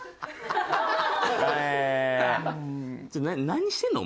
何してんの？